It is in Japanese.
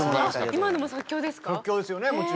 今のも即興ですか？